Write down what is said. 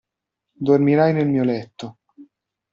Dormirai nel mio letto.